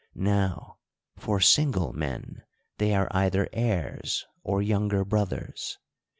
Now, for single men, they are either heirs, or younger brothers.